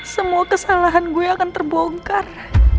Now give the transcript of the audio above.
semua kesalahan gue akan terbongkar